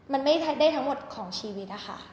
มันไม่ได้ทั้งหมดของชีวิตนะคะ